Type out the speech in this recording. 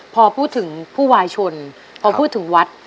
พอพูดถึงผู้วายชนพอพูดถึงวัด